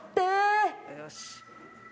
よし。